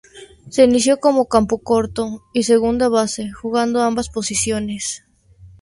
Se inició como campocorto y segunda base, jugando ambas posiciones.